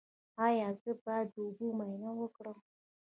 ایا زه باید د اوبو معاینه وکړم؟